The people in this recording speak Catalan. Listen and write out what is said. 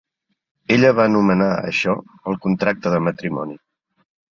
Ella va anomenar a això el contracte de matrimoni.